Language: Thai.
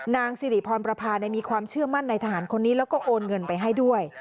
นางสิริพรประพามีความเชื่อมั่นในทหารคนนี้แล้วก็โอนเงินไปให้ด้วย